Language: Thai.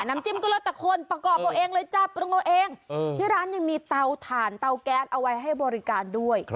นำจิ้มกุรตะคนประกอบเอาเองเลยจ้าประกอบเอาเองเออที่ร้านยังมีเตาถ่านเตาแก๊สเอาไว้ให้บริการด้วย